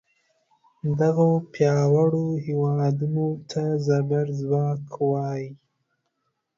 دغو پیاوړو هیوادونو ته زبر ځواک وایي.